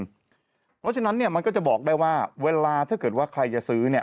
เพราะฉะนั้นเนี่ยมันก็จะบอกได้ว่าเวลาถ้าเกิดว่าใครจะซื้อเนี่ย